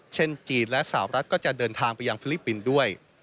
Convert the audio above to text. เช่นจีนและสาวรัฐก็จะเดินทางไปยังฟิลิปปินส์ด้วย